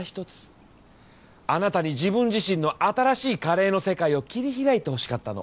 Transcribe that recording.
あなたに自分自身の新しいカレーの世界を切り開いてほしかったの。